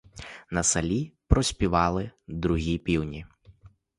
На селі проспівали другі півні.